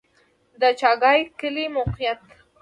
د چاګای کلی موقعیت